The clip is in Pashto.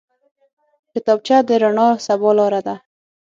کتابچه د راڼه سبا لاره ده